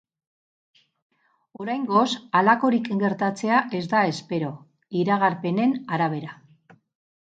Oraingoz halakorik gertatzea ez da espero, iragarpenen arabera.